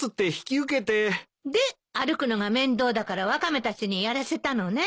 で歩くのが面倒だからワカメたちにやらせたのね。